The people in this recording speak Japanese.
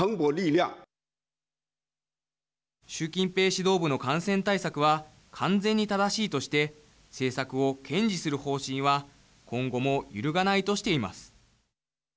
習近平指導部の感染対策は完全に正しいとして政策を堅持する方針は今後も揺るがないとしています。